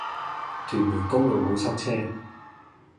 屯門公路好塞車